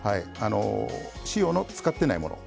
塩の使ってないもの。